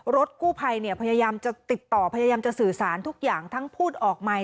รถกู้ภัยพยายามจะติดต่อพยายามจะสื่อสารทุกอย่างทั้งพูดออกใหม่